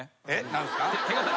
何すか？